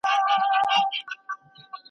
نیشاپور څنګه د افغانانو لاسته ولوېد؟